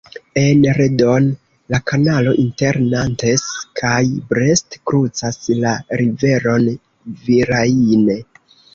En Redon, la kanalo inter Nantes kaj Brest krucas la riveron Vilaine.